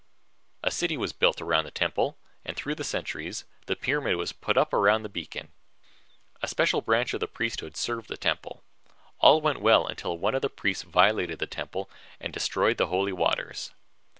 A city was built around the temple and, through the centuries, the pyramid was put up around the beacon. A special branch of the priesthood served the temple. All went well until one of the priests violated the temple and destroyed the holy waters.